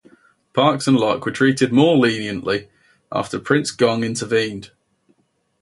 Parkes and Loch were treated more leniently after Prince Gong intervened.